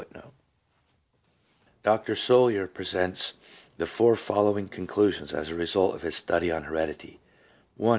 217 Dr. Sollier 1 presents the four following conclusions as the result of his study on heredity :—" I.